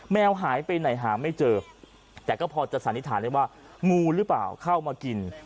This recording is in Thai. แมวหายไปไหนหาไม่เจอแต่ก็พอจะสันนิษฐานได้ว่างูหรือเปล่าเข้ามากิน